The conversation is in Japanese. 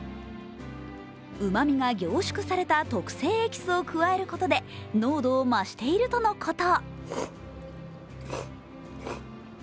うまみが凝縮された特製エキスを加えることで濃度を増しているとのこと。